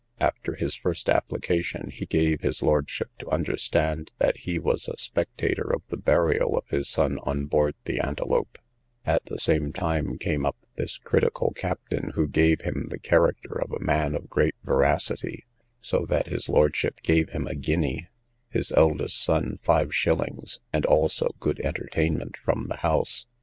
After his first application, he gave his lordship to understand, that he was a spectator of the burial of his son on board the Antelope; at the same time came up this critical captain, who gave him the character of a man of great veracity, so that his lordship gave him a guinea, his eldest son five shillings, and also good entertainment from the house.